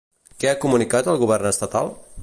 Què ha comunicat el govern estatal?